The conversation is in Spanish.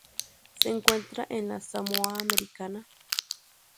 Se encuentra en la Samoa Americana.